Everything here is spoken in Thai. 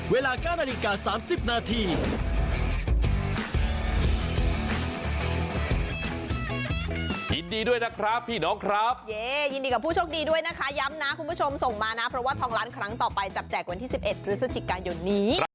เวลา๙นาฬิกา๓๐นาที